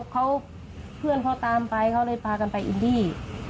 เขาเพื่อนเขาตามไปเขาเลยพากันไปอินดี้